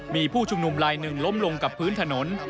มีผู้ชุมนุมลายหนึ่งล้มลงกับพื้นถนน